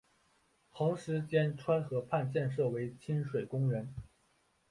横十间川河畔建设为亲水公园。